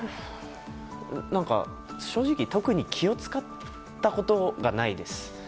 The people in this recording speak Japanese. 正直、特に気を使ったことがないです。